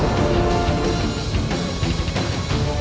kau mau mampus